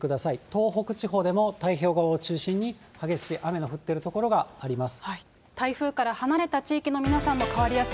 東北地方でも太平洋側を中心に、激しい雨の降っている所があります。